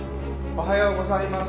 おはようございます。